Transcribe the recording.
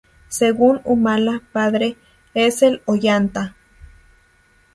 Según Humala padre, el de Ollanta —cf.